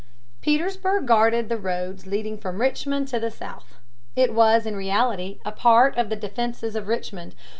Petersburg guarded the roads leading from Richmond to the South. It was in reality a part of the defenses of Richmond.